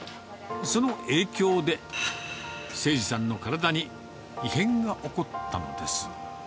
その影響で、せいじさんの体に異変が起こったのです。